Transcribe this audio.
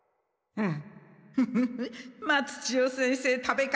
うん。